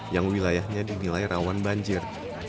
yang wilayahnya dinilai rawan banjir